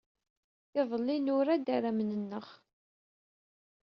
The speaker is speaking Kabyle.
Iḍelli, nura-d arramen-nneɣ.